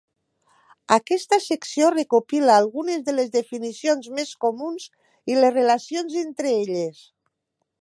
Aquesta secció recopila algunes de les definicions més comuns i les relacions entre elles.